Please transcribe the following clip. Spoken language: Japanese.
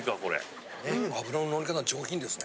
脂ののりかた上品ですね。